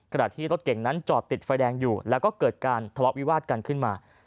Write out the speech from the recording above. ที่รถเก่งนั้นจอดติดไฟแดงอยู่แล้วก็เกิดการทะเลาะวิวาดกันขึ้นมา